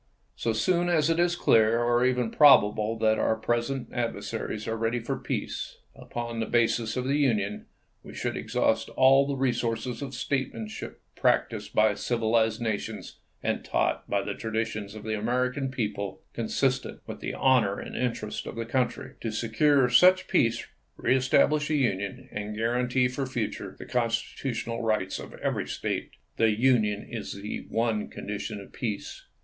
So soon as it is clear, or even probable, that our present adversaries are ready for peace, upon the basis of the Union, we should exhaust all the re sources of statesmanship practiced by civilized nations and taught by the traditions of the American people, con sistent with the honor and interests of the country, to secure such peace, reestablish the Union, and guarantee for the future the constitutional rights of every State. The Union is the one condition of peace.